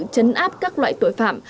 chấn áp các loại tội phạm